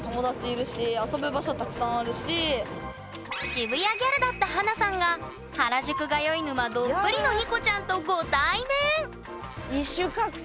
渋谷ギャルだった華さんが原宿通い沼どっぷりのＮＩＣＯちゃんとご対面！